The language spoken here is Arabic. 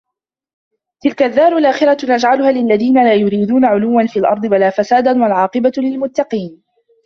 تِلكَ الدّارُ الآخِرَةُ نَجعَلُها لِلَّذينَ لا يُريدونَ عُلُوًّا فِي الأَرضِ وَلا فَسادًا وَالعاقِبَةُ لِلمُتَّقينَ